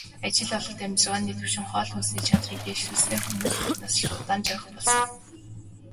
Ажил олголт, амьжиргааны түвшин, хоол хүнсний чанарыг дээшлүүлснээр хүмүүс урт насалж, удаан жаргах болсон.